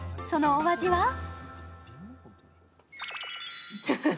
そのお味は？